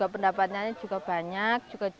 pendapatannya juga banyak